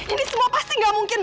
ini semua pasti gak mungkin